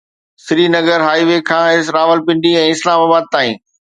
سرينگر هاءِ وي کان راولپنڊي ۽ اسلام آباد تائين